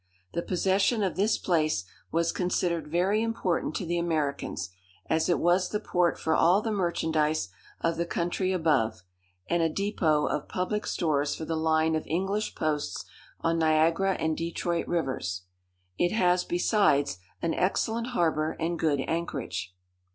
The possession of this place was considered very important to the Americans, as it was the port for all the merchandise of the country above, and a depôt of public stores for the line of English posts on Niagara and Detroit rivers. It has besides, an excellent harbour, and good anchorage.